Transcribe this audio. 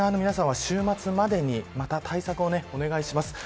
沖縄の皆さんは週末までにまた対策をお願いします。